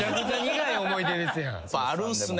やっぱあるんすね。